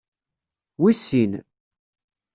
Wis sin.